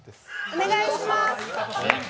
お願いします！